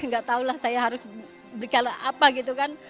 gak tau lah saya harus berkala apa gitu kan